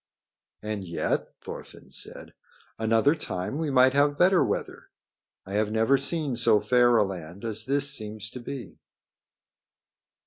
"And yet," Thorfinn said, "another time we might have better weather. I have never seen so fair a land as this seems to be."